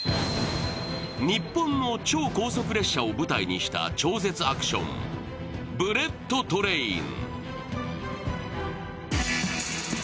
日本の超高速列車を舞台にした超絶アクション「ブレット・トレイン」。